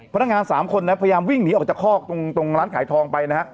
พนักงาน๓คนนะพยายามวิ่งหนีออกจากคอกตรงร้านขายทองไปนะฮะ